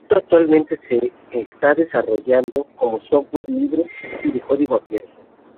El proyecto actualmente se está desarrollando como software libre y de código abierto.